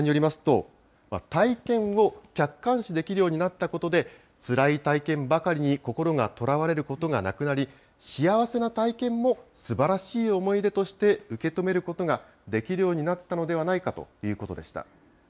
専門家によりますと、体験を客観視できるようになったことで、つらい体験ばかりに心がとらわれることがなくなり、幸せな体験もすばらしい思い出として受け止めることができるようになったのではないかということでした。